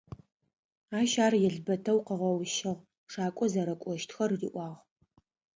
Ащ ар елбэтэу къыгъэущыгъ, шакӏо зэрэкӏощтхэр риӏуагъ.